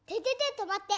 とまって！